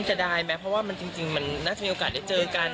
จะได้ไหมเพราะว่ามันจริงมันน่าจะมีโอกาสได้เจอกัน